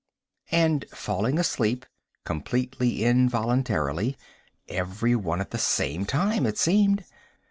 _ And falling asleep, completely involuntarily everyone at the same time, it seemed.